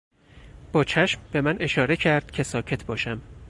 با چشم به من اشاره کرد که ساکت باشم.